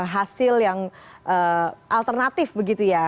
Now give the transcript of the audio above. hasil yang alternatif begitu ya